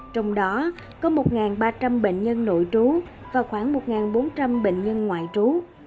trong đó có một ba trăm linh bệnh nhân nội trú và khoảng một bốn trăm linh bệnh nhân ngoại trú